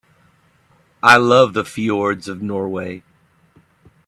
I love the fjords of Norway.